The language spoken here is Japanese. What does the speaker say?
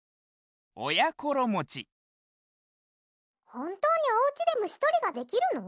ほんとうにおうちでムシとりができるの？